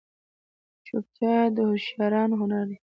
چوپتیا، د هوښیارانو هنر دی.